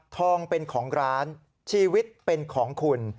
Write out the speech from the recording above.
ทองเป็นของร้านชีวิตเป็นของคุณ